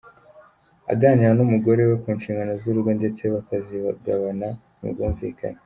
Aganira n’umugore we ku nshingano z’urugo ndetse bakazigabana mu bwumvikane.